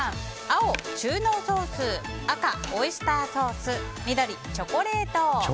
青、中濃ソース赤、オイスターソース緑、チョコレート。